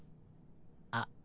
あっ。